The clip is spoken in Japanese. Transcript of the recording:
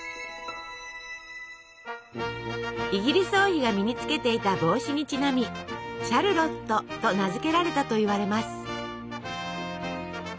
イギリス王妃が身につけていた帽子にちなみ「シャルロット」と名付けられたといわれます。